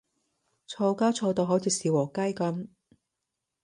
嘈交嘈到好似小學雞噉